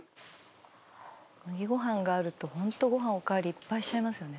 「麦ご飯があるとホントご飯おかわりいっぱいしちゃいますよね」